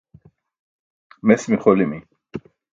Mes mixolimi.